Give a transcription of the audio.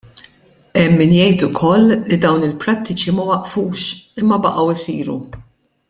Hemm min jgħid ukoll li dawn il-prattiċi ma waqfux imma baqgħu jsiru.